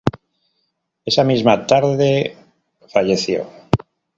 Esa misma tarde falleció.